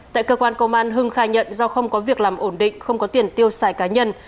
tại cơ quan công an hưng khai nhận do không có việc làm ổn định không có tiền tiêu xài cá nhân